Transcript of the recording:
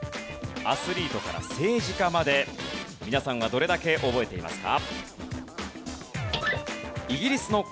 アスリートから政治家まで皆さんはどれだけ覚えていますか？